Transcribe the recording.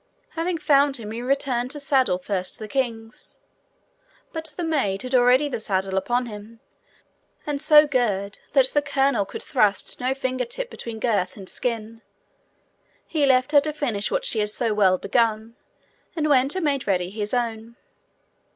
Having found him, he returned to saddle first the king's. But the maid had already the saddle upon him, and so girt that the colonel could thrust no finger tip between girth and skin. He left her to finish what she had so well begun, and went and made ready his own.